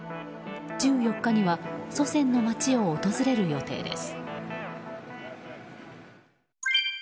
１４日には祖先の街を訪れる予定です。